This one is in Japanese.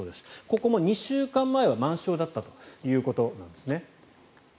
ここも２週間前は満床だったということですね。